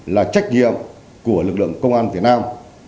là trách nhiệm của lực lượng công an việt nam